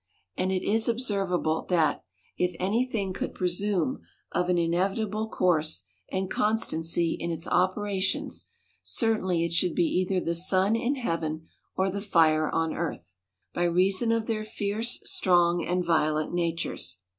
And it is observable, that, if any thing THE COUNTRY PARSON. 65 could presume of an inevitable course and constancy in its operations, certainly it should be either the sun in heaven, or the fire on earth ; by reason of their fierce, strong, and violent natures.